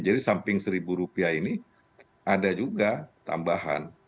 jadi samping seribu rupiah ini ada juga tambahan